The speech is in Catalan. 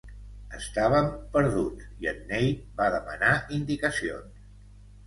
Estàvem perduts i en Nate va demanar indicacions.